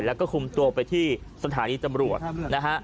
แล้วก็คุมตัวไปที่สถานีตำรวจนะฮะ